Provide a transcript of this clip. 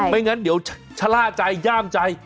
ไม่งั้นเดี๋ยวชะล่าใจย่ามใจ